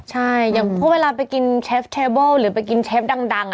ใช่อย่างพวกเวลาไปกินเชฟเทเบิลหรือไปกินเชฟดัง